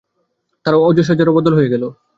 তার সাজসজ্জারও বদল হইয়া গেল।